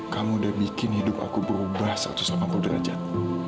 kamu udah bikin hidup aku berubah satu ratus delapan puluh derajat